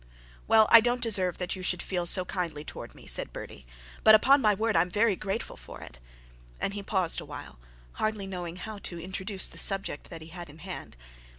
'Well, I don't deserve that you should feel so kindly towards me,' said Bertie; 'but upon my word I am very grateful for it,' and he paused awhile, hardly knowing how to introduce the subject that he had in hand.